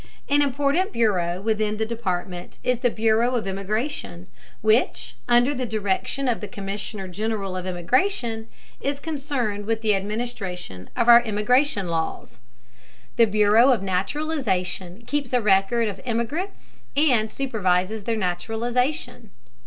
An important bureau within the Department is the bureau of immigration, which, under the direction of the commissioner general of immigration, is concerned with the administration of our immigration laws. The bureau of naturalization keeps a record of immigrants, and supervises their naturalization.